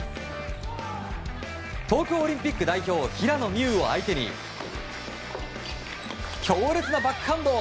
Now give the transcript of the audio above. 東京オリンピック代表平野美宇を相手に強烈なバックハンド。